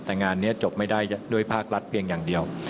แต่งานนี้จบไม่ได้ด้วยภาครัฐเพียงอย่างเดียว